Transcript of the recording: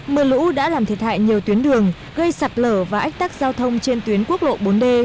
mưa lũ đã làm thiệt hại nhiều tuyến đường gây sạt lở và ách tắc giao thông trên tuyến quốc lộ bốn d